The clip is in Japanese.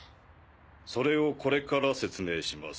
それをこれから説明します。